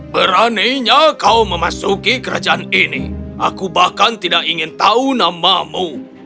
beraninya kau memasuki kerajaan ini aku bahkan tidak ingin tahu namamu